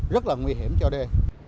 rất là nguy hiểm cho đê